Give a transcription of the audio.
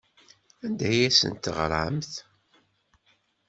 Anda ay asen-teɣramt?